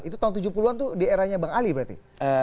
itu tahun tujuh puluh an tuh di eranya bang ali berarti